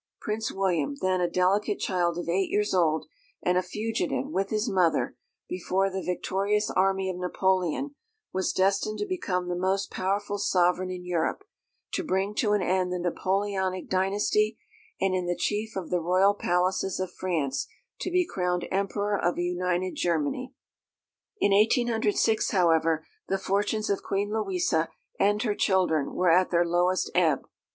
Prince William, then a delicate child of eight years old, and a fugitive, with his mother, before the victorious army of Napoleon, was destined to become the most powerful sovereign in Europe, to bring to an end the Napoleonic dynasty, and in the chief of the Royal Palaces of France, to be crowned Emperor of a United Germany. In 1806, however, the fortunes of Queen Louisa and her children were at the lowest ebb.